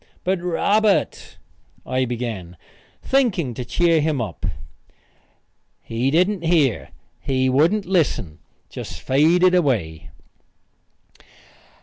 "But Robert " I began, thinking to cheer him up. He didn't hear; he wouldn't listen just faded away.